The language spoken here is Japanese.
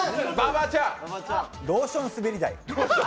ローション滑り台。